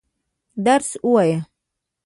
درس وايه.